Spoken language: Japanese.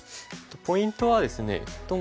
ポイントはですね